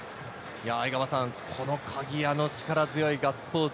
この鍵谷の力強いガッツポーズ。